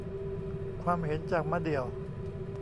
ความเห็นจากมะเดี่ยว